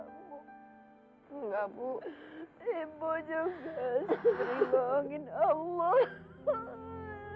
ibu juga sering bohongin allah